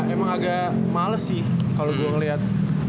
emang agak males sih kalau gue ngeliat